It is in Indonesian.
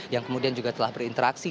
yang kemudian juga telah berinteraksi